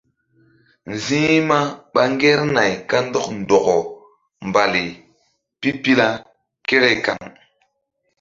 Nzi̧hma ɓa ŋgernay kandɔk ndɔkɔ mbali pipila kere kaŋ.